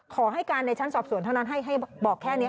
ขอให้การในชั้นสอบสวนเท่านั้นให้บอกแค่นี้